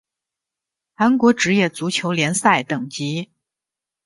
韩国职业足球联赛等级